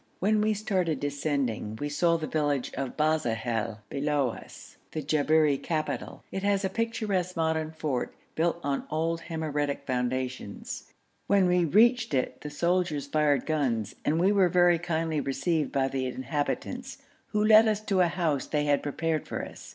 When we started descending we saw the village of Bazahel below us the Jabberi capital. It has a picturesque modern fort, built on old Himyaritic foundations. When we reached it the soldiers fired guns, and we were very kindly received by the inhabitants, who led us to a house they had prepared for us.